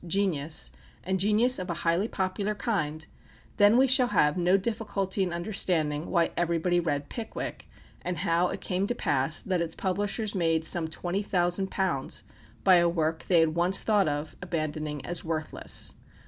genius, and genius of a highly popular kind, then we shall have no difficulty in understanding why everybody read "Pickwick," and how it came to pass that its publishers made some £20,000 by a work that they had once thought of abandoning as worthless.